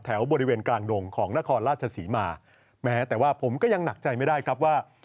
บริเวณกลางดงของนครราชศรีมาแม้แต่ว่าผมก็ยังหนักใจไม่ได้ครับว่า